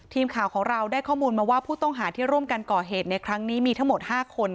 แต่ว่าตอนนี้มันต้องมีคน